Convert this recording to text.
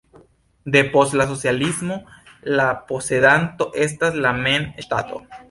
Depost la socialismo la posedanto estas la mem la ŝtato.